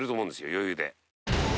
余裕で。